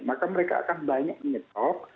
maka mereka akan banyak menyetop